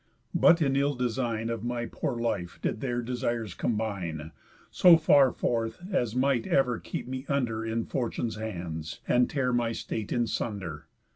But, in ill design Of my poor life, did their desires combine, So far forth, as might ever keep me under In fortune's hands, and tear my state in sunder.